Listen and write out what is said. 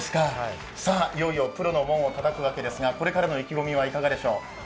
いよいよプロの門をたたくわけですが、これからの意気込みはいかがでしょう？